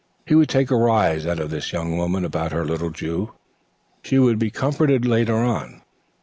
He would take a rise out of this young woman about her little Jew. She would be comforted later on.